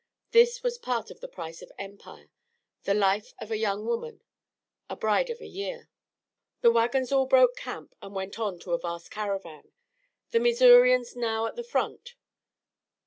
This was part of the price of empire the life of a young woman, a bride of a year. The wagons all broke camp and went on in a vast caravan, the Missourians now at the front.